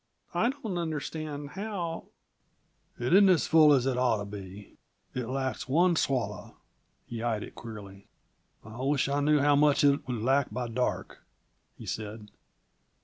I don't understand how " "It isn't as full as it ought to be; it lacks one swallow." He eyed it queerly. "I wish I knew how much it would lack by dark," he said.